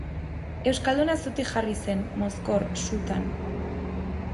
Euskalduna zutik jarri zen, mozkor, sutan.